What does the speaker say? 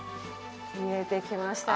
見えてきましたよ。